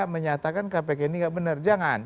menyatakan kpk ini nggak benar jangan